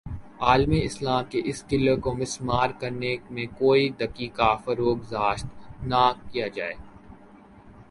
عالم اسلام کے اس قلعے کو مسمار کرنے میں کوئی دقیقہ فروگزاشت نہ کیا جائے